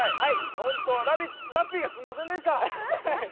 ホント、ラッピーがすんませんでした！